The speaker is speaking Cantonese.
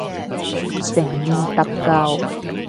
誠意搭救